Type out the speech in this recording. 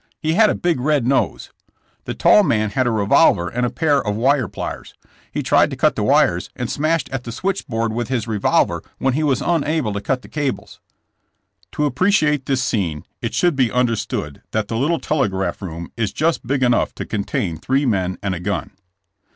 He had a big red nose. The tall man had a revolver and a pair of wire pliers. He tried to cut the wires and smashed at the switchboard with his revolver when he was unable to cut the cables." To appreciate this scene it should be understood that the little telegraph room is just big enough to contain three men and a gun.